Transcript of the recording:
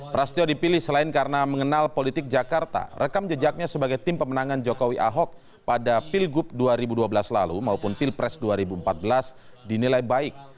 prastyo dipilih selain karena mengenal politik jakarta rekam jejaknya sebagai tim pemenangan jokowi ahok pada pilgub dua ribu dua belas lalu maupun pilpres dua ribu empat belas dinilai baik